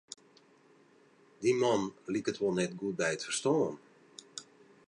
Dy man liket wol net goed by it ferstân.